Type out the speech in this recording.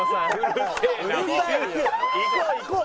行こう行こう！